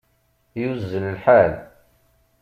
Yuzzel lḥal.